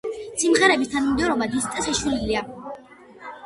სიმღერების თანმიმდევრობა დისკზე შეცვლილია.